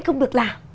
không được làm